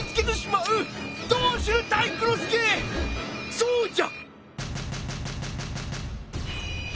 そうじゃ！